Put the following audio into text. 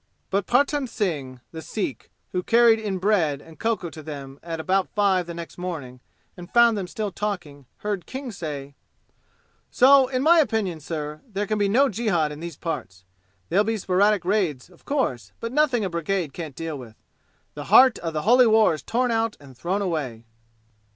But Partan Singh, the Sikh, who carried in bread and cocoa to them at about five the next morning and found them still talking, heard King say, "So, in my opinion, sir, there'll be no jihad in these parts. There'll be sporadic raids, of course, but nothing a brigade can't deal with. The heart of the holy war's torn out and thrown away."